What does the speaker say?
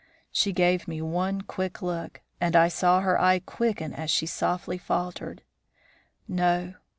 She gave me one quick look; and I saw her eye quicken as she softly faltered, 'No.